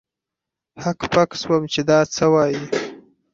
هک پک سوم چې دا څه وايي.